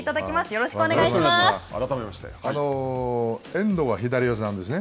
よろしくお願いします。